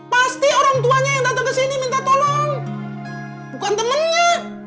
pasti orang tuanya yang datang ke sini minta tolong bukan temannya